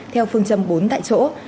theo phương châm bốn tại chỗ